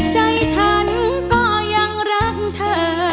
ใจฉันก็ยังรักเธอ